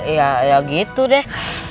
ya ya gitu deh